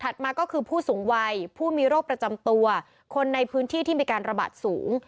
มาก็คือผู้สูงวัยผู้มีโรคประจำตัวคนในพื้นที่ที่มีการระบาดสูง